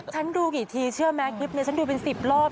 ดูกี่ทีเชื่อไหมคลิปนี้ฉันดูเป็น๑๐รอบ